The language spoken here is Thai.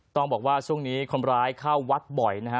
ต้องบอกว่าช่วงนี้คนร้ายเข้าวัดบ่อยนะฮะ